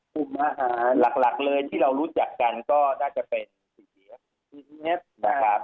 กลุ่มอาหารหลักหลักเลยที่เรารู้จักกันก็น่าจะเป็นนะครับ